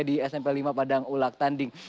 di smp lima padang ulak tanding